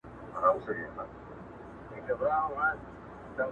له لوري د فرانسې په کلتور کي